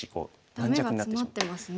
ダメがツマってますね。